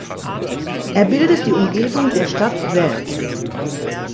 Er bildet die Umgebung der Stadt Wels.